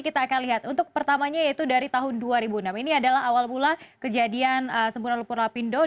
kita akan lihat untuk pertamanya yaitu dari tahun dua ribu enam ini adalah awal mula kejadian semburan lumpur lapindo